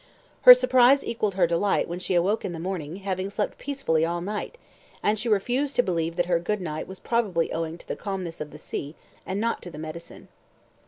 Her surprise equalled her delight when she awoke in the morning, having slept peacefully all night, and she refused to believe that her good night was probably owing to the calmness of the sea and not to the medicine.